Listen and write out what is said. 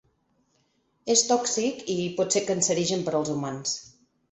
És tòxic i pot ser cancerigen per als humans.